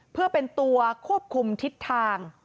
เพื่อเป็นตัวควบคุมทิศทาง